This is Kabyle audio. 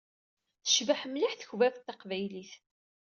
Tecbeḥ mliḥ takbabt taqbaylit!